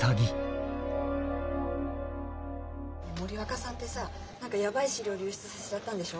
森若さんってさ何かやばい資料流出させちゃったんでしょ？